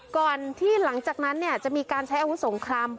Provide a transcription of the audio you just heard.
ก่อนที่หลังจากนั้นจะมีการใช้อาวุธสงคราม